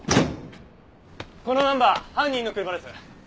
このナンバー犯人の車です。